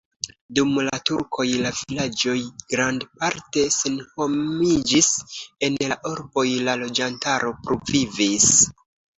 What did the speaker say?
Dum la turkoj la vilaĝoj grandparte senhomiĝis, en la urboj la loĝantaro pluvivis.